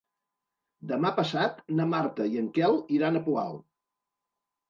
Demà passat na Marta i en Quel iran al Poal.